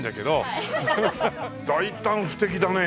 大胆不敵だね。